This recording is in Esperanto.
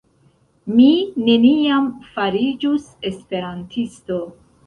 Mi neniam fariĝus Esperantisto